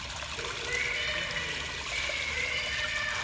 クレーンゲームみたいにシュッシュつれていかれちゃうの？